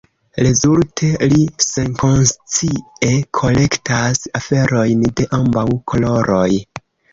Rezulte, ri senkonscie kolektas aferojn de ambaŭ koloroj.